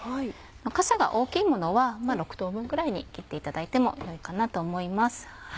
かさが大きいものは６等分ぐらいに切っていただいてもよいかなと思います。